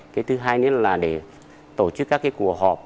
cái thứ hai nữa là để tổ chức các cái cuộc họp